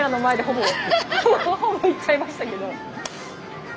ほぼ言っちゃいましたけど。